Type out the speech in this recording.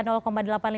begitu pak adi